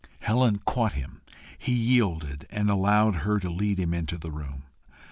Helen caught him, he yielded, and allowed her to lead him into the room.